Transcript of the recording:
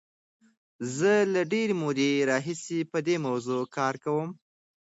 زه له ډېرې مودې راهیسې په دې موضوع کار کوم.